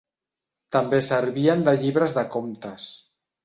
També servien de llibres de comptes.